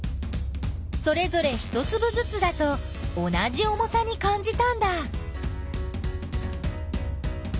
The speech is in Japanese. それぞ一つぶずつだと同じ重さにかんじたんだ。